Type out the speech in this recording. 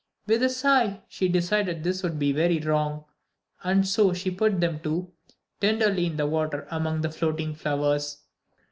With a sigh she decided this would be very wrong, and so she put them, too, tenderly in the water among the floating flowers.